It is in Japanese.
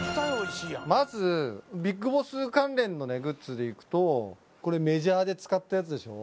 まずＢＩＧＢＯＳＳ関連のグッズでいくとこれメジャーで使ったやつでしょ